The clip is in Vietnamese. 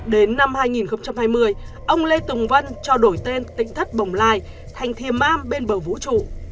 đến năm hai nghìn hai mươi ông lê tùng vân cho đổi tên tỉnh thất bồng lai thành thiêm am bên bờ vũ trụ